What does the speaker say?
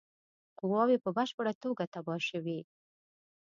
قواوي په بشپړه توګه تباه شوې.